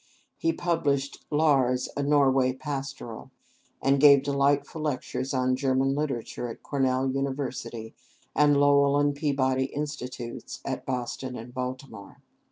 He published "Lars, a Norway pastoral," and gave delightful lectures on German literature at Cornell University, and Lowell and Peabody Institutes, at Boston and Baltimore.